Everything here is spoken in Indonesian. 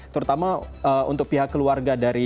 terutama untuk pihak keluarga dari mahasiswa ui sendiri